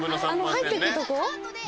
入ってったとこ？